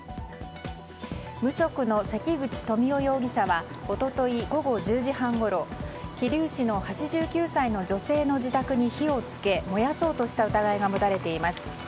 無職の関口富夫容疑者は一昨日午後１０時半ごろ桐生市の８９歳の女性の自宅に火を付け燃やそうとした疑いが持たれています。